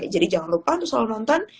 jadi jangan lupa untuk selalu nonton